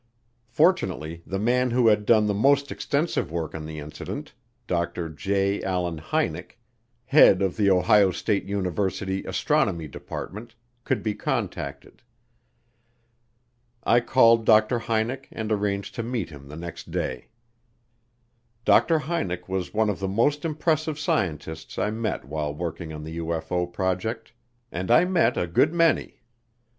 Fortunately the man who had done the most extensive work on the incident, Dr. J. Allen Hynek, head of the Ohio State University Astronomy Department, could be contacted. I called Dr. Hynek and arranged to meet him the next day. Dr. Hynek was one of the most impressive scientists I met while working on the UFO project, and I met a good many.